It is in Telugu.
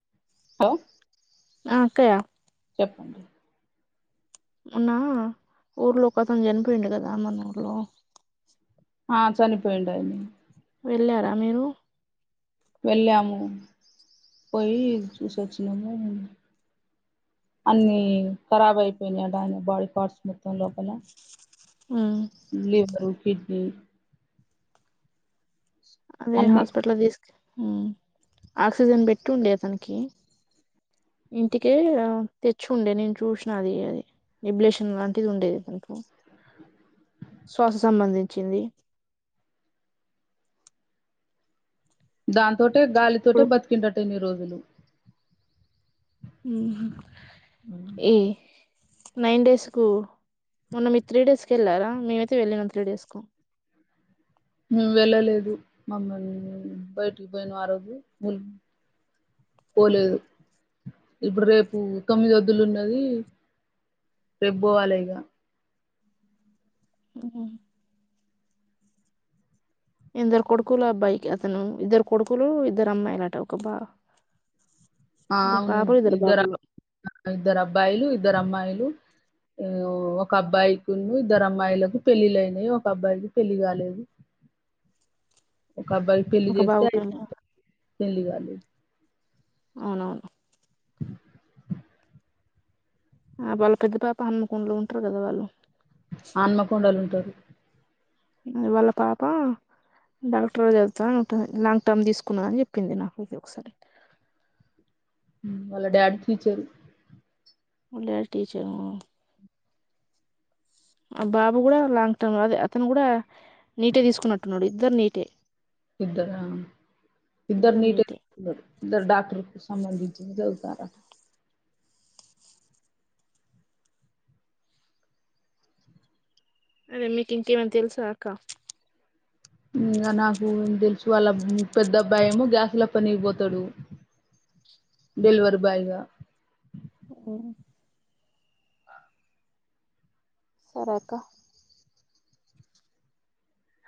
హలో ఆ అక్కయ్య చెప్ మొన్న ఊర్లో ఒకతను చనిపోయిడు గదా మన ఊర్లో ఆ చనిపోయిండే వెళ్ళారా మీరు వెళ్ళాము పోయి చూసివచ్చినాము అన్నీ ఖరాబ్ అయిపోయినట ఆయన బాడీ పార్ట్స్ మొత్తం లోపల ఉమ్ లేవరు వీద్దె అదే అన్ని హాస్పిటల్ కు తీస్ ఉ ఆక్సిజన్ పెట్టి ఉండేది అతనికి ఇంటికే తెచ్చి ఉండే నేను చూసిన అది అది నిబ్లేషన్ లాంటిది ఉండేది అతన్ కు శ్వాస సంబంధించింది దాన్ తోటే ఇప్పుడు గాలితోటే బతికిన్ దంట ఇన్ని రోజులు ఏ నైన్ డేస్ కు మొన్న మీరు త్రీ డేస్కి వెళ్ళారా మేమైతే వెళ్ళినాం త్రీ డేస్ కు ము వెళ్ళలేదు మమ్మల్ని బయటికి పోయిన ఆ రోజు పోలేదు ఇప్పుడు రేపు తొమ్మిది ఎద్దులు ఉన్నది రేపు పోవాలి ఇగ ఆ ఇద్దరు కొడుకులు అబ్బాయికి అతను ఇద్దరు కొడుకులు ఇద్దరు అమ్మాయిలాట ఒక బా ఆ ఇద్దరు అవును పాపలు ఇద్దరు బాబులు ఇద్దరు అబ్బాయిలు ఇద్దరు అమ్మాయిలు ఒక అబ్బాయికి ఉన్ను ఇద్దరు అమ్మాయిలకు పెళ్ళిళ్ళ ఐయినాయి ఒక అబ్బాయికి పెళ్ళి గలేదు ఒక అబ్బాయి పెళ్లి ఒక చేస్తే బాబు అయ్ పెళ్ళి పెళ్లి గాని అవును అవును ఆ వాళ్ళ పెద్ద పాప హనుమకొండలో ఉంటారు కదా వాళ్ళు హనుమకొండలో ఉంటారు వాళ్ళ పాప డాక్టర్ చదువుతా అంటుంది లాంగ్ టర్మ్ తీసుకున్న అని చెప్పింది నాకు అయితే ఒకసారి హ్మ్ వాళ్ళ డాడీ టీచర్ వాళ్ళ డాడీ టీచర్ ఆహ్ ఆ బాబు కూడా లాంగ్ టర్మ్ అదే అతను కూడా నీటే తీసుకున్నట్టున్నాడు ఇద్దరు నీటే ఇద్దరా ఇద్దరు నీటే తీసుకున్నారు ఇద్దరు డాక్టర్ కు సంబంధించినది చదువు కార అదే మీకు ఏమన్న తెలుసా అక్క ఇంగా నాకు తెలుసు వాళ్ళ పెద్ద అబ్బాయి ఏమో గ్యాస్లా పనిగిపోతాడు డెలివరీ బాయ్గా అఓ సరక్క